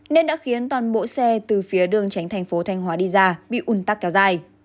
nên đã khiến toàn bộ xe từ phía đường tránh thành phố thanh hóa đi ra bị ủn tắc kéo dài